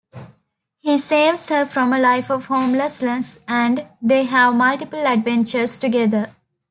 He saves her from a life of homelessness and they have multiple adventures together.